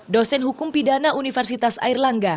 dosen hukum pidana universitas airlangga